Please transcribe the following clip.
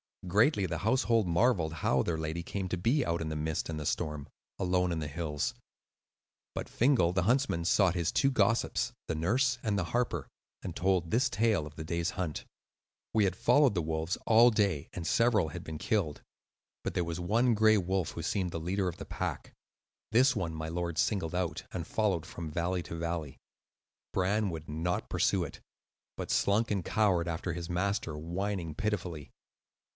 Greatly the household marvelled how their lady came to be out in the mist and the storm, alone on the hills; but Fingal, the huntsman, sought his two gossips, the nurse and the harper, and told this tale of the day's hunt. "We had followed the wolves all day, and several had been killed. But there was one gray wolf, who seemed the leader of the pack. This one my lord singled out, and followed from valley to valley. Bran would not pursue it, but slunk and cowered after his master, whining pitifully.